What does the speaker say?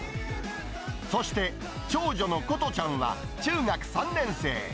そして長女の心音ちゃんは中学３年生。